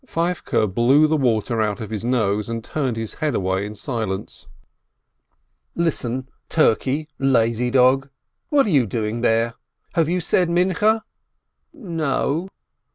Feivke blew the water out of his nose, and turned his head away in silence. "Listen, turkey, lazy dog ! What are you doing there ? Have you said Minchah?" "N no